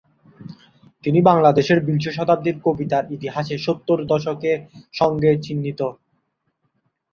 তিনি বাংলাদেশের বিংশ শতাব্দীর কবিতার ইতিহাসে সত্তর দশকের সঙ্গে চিহ্নিত।